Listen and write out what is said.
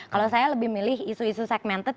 kalau saya lebih milih isu isu segmented